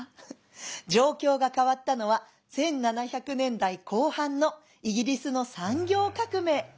「状況が変わったのは１７００年代後半のイギリスの産業革命。